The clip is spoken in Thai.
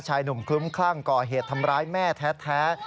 หนุ่มคลุ้มคลั่งก่อเหตุทำร้ายแม่แท้